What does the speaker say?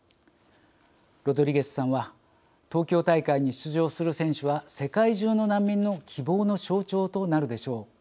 ロドリゲスさんは「東京大会に出場する選手は世界中の難民の希望の象徴となるでしょう。